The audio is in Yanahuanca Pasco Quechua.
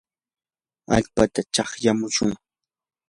allpata chakmyashun.